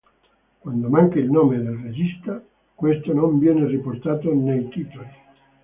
Quando manca il nome del regista, questo non viene riportato nei titoli.